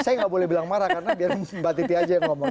saya nggak boleh bilang marah karena biarin mbak titi aja yang ngomong